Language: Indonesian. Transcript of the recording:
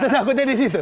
takutnya di situ